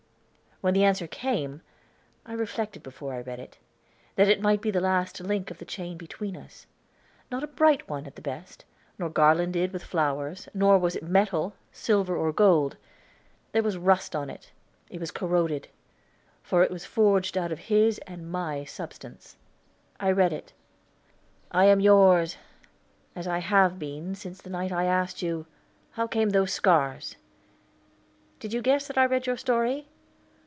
When the answer came I reflected before I read it, that it might be the last link of the chain between us. Not a bright one at the best, nor garlanded with flowers, nor was it metal, silver, or gold. There was rust on it, it was corroded, for it was forged out of his and my substance. I read it: "I am yours, as I have been, since the night I asked you 'How came those scars?' Did you guess that I read your story?